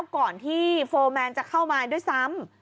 ก่อนที่โฟร์แมนจะเข้ามาด้วยซ้ำ